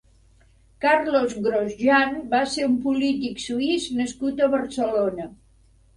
Carlos Grosjean va ser un polític suís nascut a Barcelona.